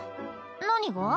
何が？